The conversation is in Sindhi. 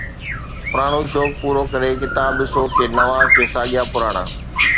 پراڻو شوق پورو ڪري، ڪتاب ڏسو، ڪي نوان، ڪي ساڳيا پراڻا